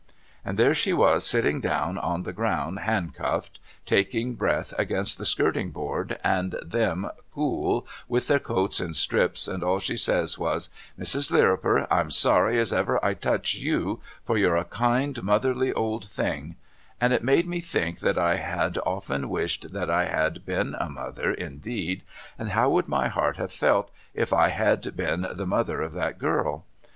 ' And there she was sitting down on the ground handcuffed, taking breath against the skirting board and them cool with their coats in strips, and all she says was ' Mrs. Lirriper I'm sorry as ever I touched you, for you're a kind motlierly A TOUCH OF CAROLINE'S TEMPER 331 old thing,' and it made me think that I had often wished I had been a mother indeed and how would my heart have felt if I had been the mother of that girl